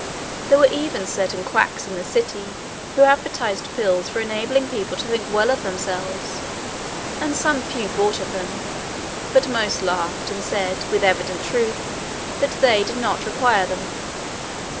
There were even certain quacks in the city who advertised pills for enabling people to think well of themselves, and some few bought of them, but most laughed, and said, with evident truth, that they did not require them.